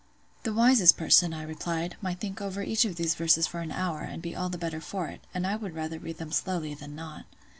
"The wisest person," I replied, "might think over each of these verses for an hour, and be all the better for it; and I would rather read them slowly than not."